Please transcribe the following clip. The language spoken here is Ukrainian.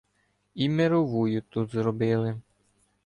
І мировую тут зробили